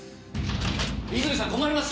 泉さん困ります！